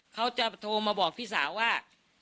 เขาจะโทรมาบอกพี่สาวว่า